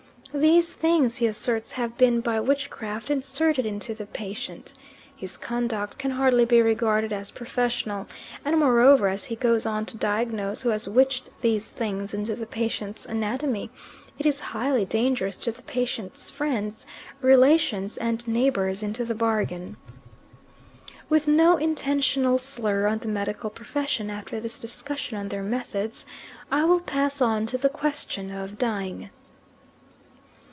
These things, he asserts, have been by witchcraft inserted into the patient. His conduct can hardly be regarded as professional; and moreover as he goes on to diagnose who has witched these things into the patient's anatomy, it is highly dangerous to the patient's friends, relations, and neighbours into the bargain. With no intentional slur on the medical profession, after this discussion on their methods I will pass on to the question of dying.